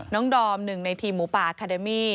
ดอมหนึ่งในทีมหมูป่าอาคาเดมี่